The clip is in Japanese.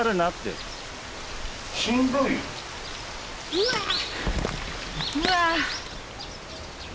うわ。